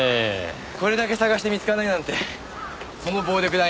これだけ探して見つからないなんてその暴力団員